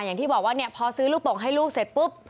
อย่างที่บอกว่าเนี่ยพอซื้อลูกโป่งให้ลูกเสร็จปุ๊บ